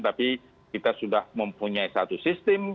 tapi kita sudah mempunyai satu sistem